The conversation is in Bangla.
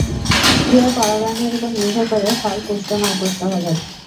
ফুলের পরাগায়নের ওপর নির্ভর করে ফল পুষ্ট না অপুষ্ট হবে।